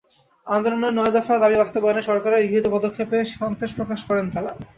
আন্দোলনের নয় দফা দাবি বাস্তবায়নে সরকারের গৃহীত পদক্ষেপে সন্তোষ প্রকাশ করেন তারা।